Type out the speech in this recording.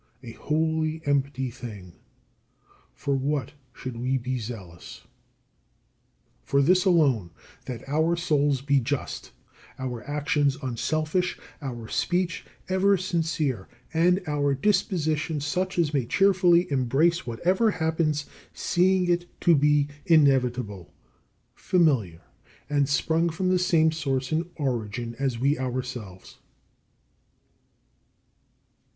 A wholly empty thing. For what should we be zealous? For this alone, that our souls be just, our actions unselfish, our speech ever sincere, and our disposition such as may cheerfully embrace whatever happens, seeing it to be inevitable, familiar, and sprung from the same source and origin as we ourselves.